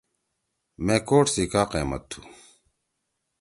مے کوٹ سی کا قیئمت تُھو؟